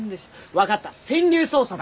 分かった潜入捜査だ！